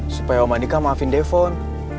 supaya om adika maafin devon